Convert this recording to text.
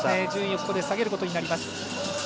順位を下げることになります。